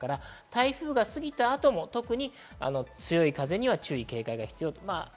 台風が過ぎたあとも特に強い風には注意・警戒が必要です。